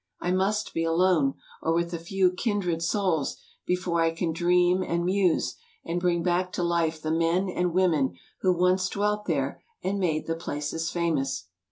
I must be alone, or widi a few 'kindred souls' before I can dream and muse, and bring back to life the men and women who once dwelt there and made the places famous.